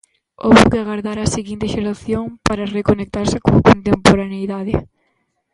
Houbo que agardar á seguinte xeración para reconectarse coa contemporaneidade.